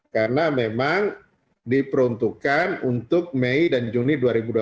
karena memang diperuntukkan untuk mei dan juni dua ribu dua puluh